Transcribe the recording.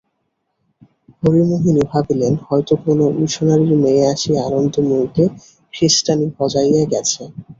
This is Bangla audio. হরিমোহিনী ভাবিলেন হয়তো কোনো মিশনারির মেয়ে আসিয়া আনন্দময়ীকে খৃস্টানি ভজাইয়া গেছে।